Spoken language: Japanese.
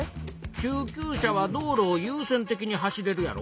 救急車は道路をゆう先的に走れるやろ。